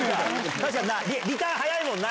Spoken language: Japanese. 確かにな、リターン、速いもんな。